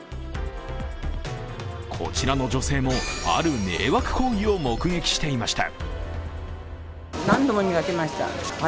こちらの女性も、ある迷惑行為を目撃していました。